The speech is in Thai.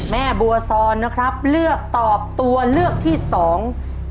แม่บัวซอนนะครับเลือกตอบตัวเลือกที่สอง